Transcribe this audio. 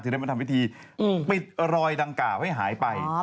ที่ได้ต้องทำวิธีปิดรอยดังก่าวให้หายไป